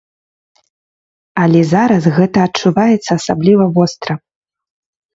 Але зараз гэта адчуваецца асабліва востра.